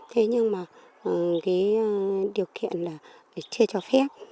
thế nhưng mà cái điều kiện là chưa cho phép